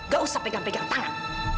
gak usah pegang pegang tangan